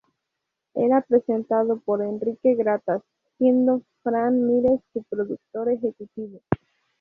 Era presentado por Enrique Gratas, siendo Fran Mires su productor ejecutivo.